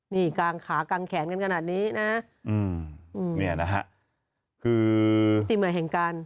นี่ขากางแขนกันขนาดนี้นะมือนะฮะ